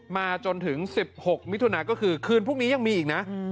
มาจนถึง๑๖มิถุนาก็คือคืนพรุ่งนี้ยังมีอีกนะ